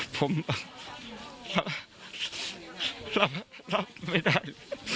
ผมรับไม่ได้